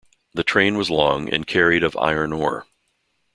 The train was long and carried of iron ore.